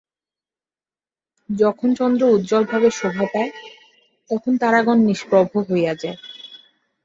যখন চন্দ্র উজ্জ্বলভাবে শোভা পায়, তখন তারাগণ নিষ্প্রভ হইয়া যায়।